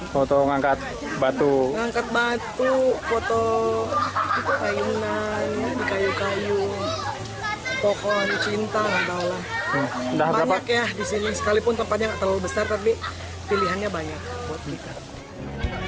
kayu kayu pokok cinta banyak ya sekalipun tempatnya nggak terlalu besar tapi pilihannya banyak